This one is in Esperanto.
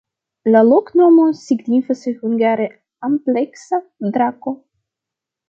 La loknomo signifas hungare: ampleksa-drako.